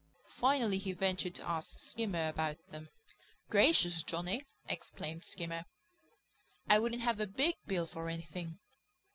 Finally he ventured to ask Skimmer about them. "Gracious, Johnny!" exclaimed Skimmer. "I wouldn't have a big bill for anything.